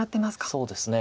そうですね。